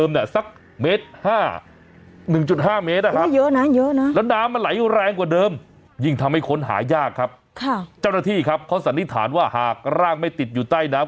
เจ้าหน้าที่ครับเขาสันนิษฐานว่าหากร่างไม่ติดอยู่ใต้น้ำ